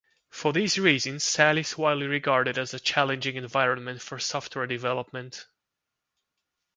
For these reasons, Cell is widely regarded as a challenging environment for software development.